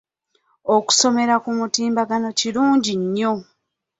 Okusomera ku mutimbagano kirungi nnyo.